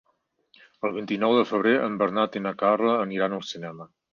El vint-i-nou de febrer en Bernat i na Carla aniran al cinema.